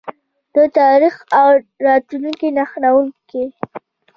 د تاریخ او راتلونکي نښلونکی.